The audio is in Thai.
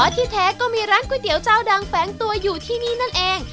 ที่แท้ก็มีร้านก๋วยเตี๋ยวเจ้าดังแฝงตัวอยู่ที่นี่นั่นเอง